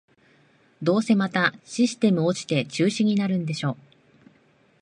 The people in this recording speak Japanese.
どうせまたシステム落ちて中止になるんでしょ